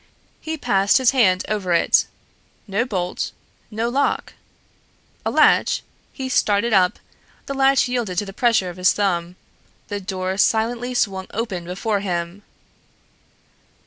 He passed his hand over it: no bolt, no lock! A latch! He started up, the latch yielded to the pressure of his thumb: the door silently swung open before him.